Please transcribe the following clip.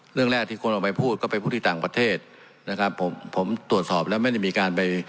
เรื่องแรกที่คนออกไปพูดก็ไปพูดที่ต่างประเทศนะครับผมผมตรวจสอบแล้วไม่ได้มีการไป